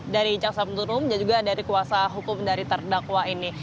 dari jaksa penuntut umum dan juga dari kuasa hukum dari terdakwa ini